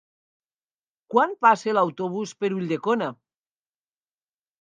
Quan passa l'autobús per Ulldecona?